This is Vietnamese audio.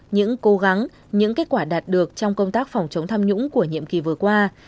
những cố gắng những kết quả đạt được trong công tác phòng chống tham nhũng của nhiệm kỳ vừa qua